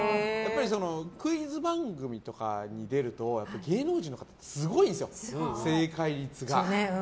クイズ番組とかに出ると芸能人の方はすごいんですよ、正解率が。